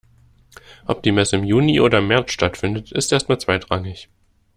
Ob die Messe im Juni oder im März stattfindet, ist erst mal zweitrangig.